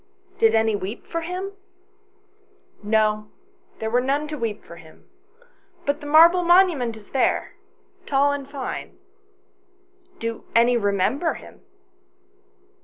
"Did any weep for him?" " No, there were none to weep for him ; but the marble monument is there, tall and fine." "Do any remember him